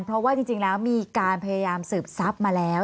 เพราะว่าจริงแล้วมีการพยายามสืบทรัพย์มาแล้ว